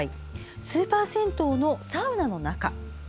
スーパー銭湯のサウナの中。